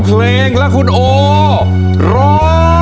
เพลงและคุณโอร้อง